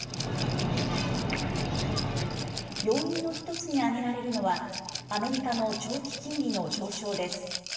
要因の１つに挙げられるのは、アメリカの長期金利の上昇です。